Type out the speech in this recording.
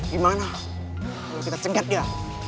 gimana kalo kita cengket dia